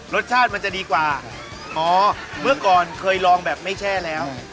รสชาติมันจะดีกว่าอ๋อเมื่อก่อนเคยลองแบบไม่แช่แล้ว